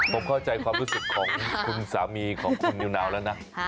ผมเข้าใจความรู้สึกของคุณสามีของคุณนิวนาวแล้วนะ